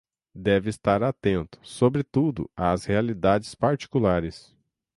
deve estar atento, sobretudo, às realidades particulares